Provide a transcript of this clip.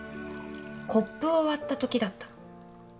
コップを割ったときだったの。